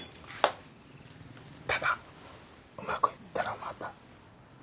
ただうまくいったらまた。